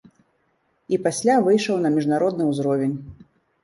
І пасля выйшаў на міжнародны ўзровень.